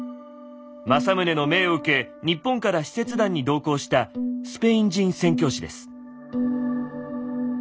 政宗の命を受け日本から使節団に同行したスペイン人宣教師です。